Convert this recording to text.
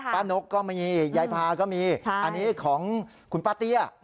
ป้านกก็มีนี่ยายพาก็มีอันนี้ของของคุณป้าตี้